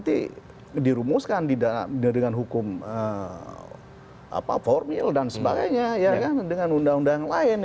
itu menurut saya tidak ada hubungan